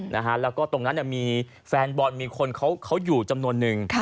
แล้วก็ตรงนั้นมีแฟนบอลมีคนืมจำนวนหนึ่ง